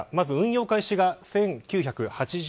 運用開始が１９８３年